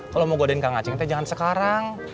kalo mau godain kang acing teh jangan sekarang